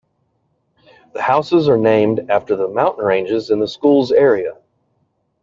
The houses are named after the mountain ranges in the school's area.